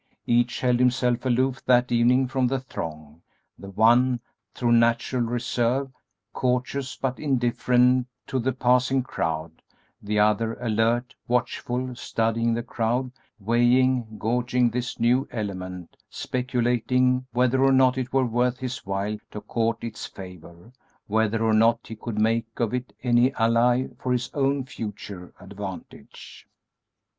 Each held himself aloof that evening from the throng: the one, through natural reserve, courteous but indifferent to the passing crowd; the other alert, watchful, studying the crowd; weighing, gauging this new element, speculating whether or not it were worth his while to court its favor, whether or not he could make of it an ally for his own future advantage.